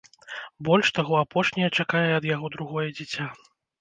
Больш таго, апошняя чакае ад яго другое дзіця.